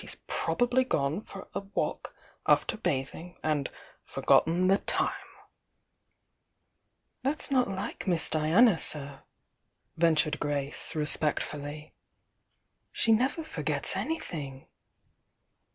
She's probably gone for a walk after bathing, and forgotten the time. JZ!!f/?i"°«au® ^''^ ^i*"*' «"■'" ventured Grace, respectfully. "She never forgets anything."